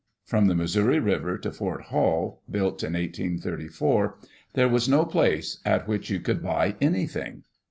From the Missouri River to Fort Hall, built in 1834, there was no place at which you could buy anything.